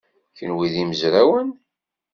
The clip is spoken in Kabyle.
Kenwi d imezrawen?